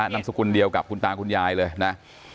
นามสกุลเดียวกับคุณตาคุณยายเลยนะ